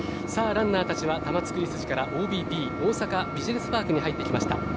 さあ、ランナーたちは玉造筋からＯＢＰ・大阪ビジネスパークに入ってきました。